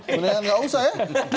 sebenarnya nggak usah ya